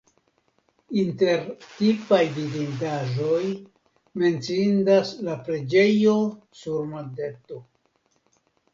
Inter tipaj vidindaĵoj menciindas la preĝejo sur monteto.